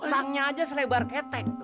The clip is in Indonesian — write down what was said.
utangnya aja selebar ketek